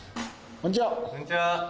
こんにちは。